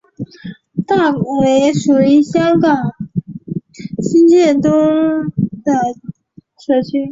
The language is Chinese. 大围属于香港新界东的社区。